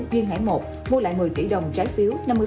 duyên hải một mua lại một mươi tỷ đồng trái phiếu